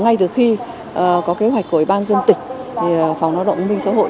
ngay từ khi có kế hoạch của ủy ban dân tịch phòng nói động bình xã hội